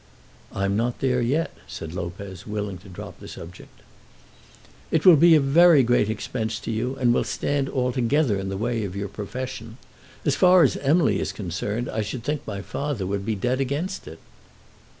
"I'm not there yet," said Lopez, willing to drop the subject. "It will be a great expense to you, and will stand altogether in the way of your profession. As far as Emily is concerned, I should think my father would be dead against it."